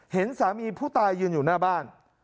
เห็นสามีผู้ตายยืนอยู่หน้าบ้าน